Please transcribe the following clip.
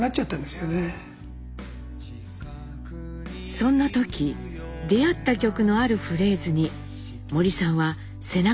そんな時出会った曲のあるフレーズに森さんは背中を押されました。